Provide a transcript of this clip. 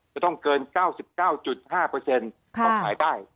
จะต้องเกิน๙๙๕ของขายได้